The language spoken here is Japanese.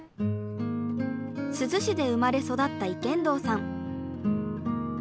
珠洲市で生まれ育った池筒さん。